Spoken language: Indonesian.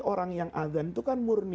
orang yang azan itu kan murni